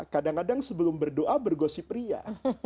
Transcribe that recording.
kadang kadang sebelum berdoa bergosip ria